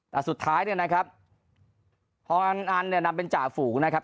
แต่สุดท้ายเนี่ยนะครับพออันอันเนี่ยนำเป็นจ่าฝูงนะครับ